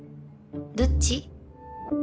どっち？